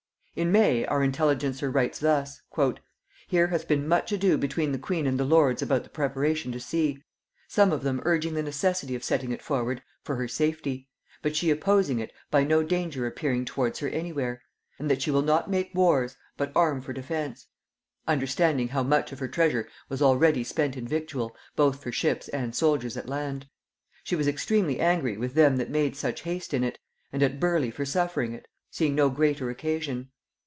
In May our intelligencer writes thus: "Here hath been much ado between the queen and the lords about the preparation to sea; some of them urging the necessity of setting it forward for her safety; but she opposing it by no danger appearing towards her any where; and that she will not make wars but arm for defence; understanding how much of her treasure was already spent in victual, both for ships and soldiers at land. She was extremely angry with them that made such haste in it, and at Burleigh for suffering it, seeing no greater occasion.